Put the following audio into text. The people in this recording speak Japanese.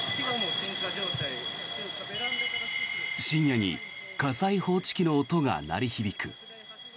深夜に火災報知器の音が鳴り響く。